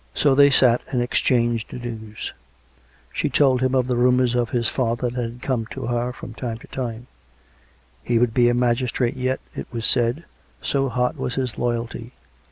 So they sat and exchanged news. She told him of the rumours of his father that had come to her from time to time; he would be a magistrate yet, it was said, so hot was his loyalty.